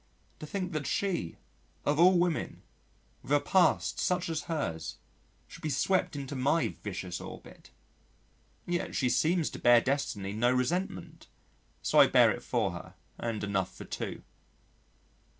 To think that she of all women, with a past such as hers, should be swept into my vicious orbit! Yet she seems to bear Destiny no resentment, so I bear it for her and enough for two.